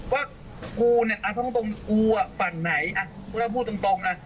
ว่ากูเนี่ยฟังไหนพูดตรงนะ